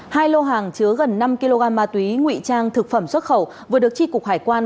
hai lô hàng chứa gần năm kg ma túy nguy trang thực phẩm xuất khẩu vừa được tri cục hải quan